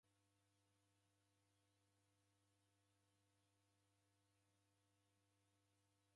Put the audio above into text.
Ni suti w'ibonyerie iro kura ni ra hachi.